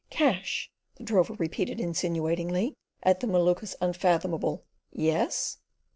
"Cash," the drover repeated insinuatingly at the Maluka's unfathomable "Yes?"